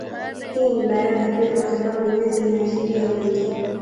Hii ni baraka pia kwa sababu nyasi inaashiria wingi